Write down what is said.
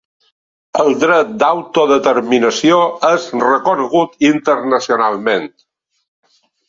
El dret d’autodeterminació és reconegut internacionalment.